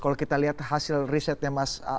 kalau kita lihat hasil risetnya mas hasan ini kan sudah